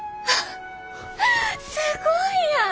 すごいやん！